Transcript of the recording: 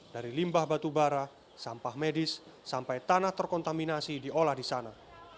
dari limbah batubara sampah medis sampai tanah terkontaminasi diolah di sana